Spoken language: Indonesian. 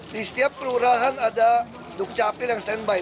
di setiap kelurahan ada dukcapil yang standby